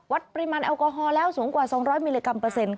วัดปริมาณแอลกอฮอลแล้วสูงกว่า๒๐๐มิลลิกรัมเปอร์เซ็นต์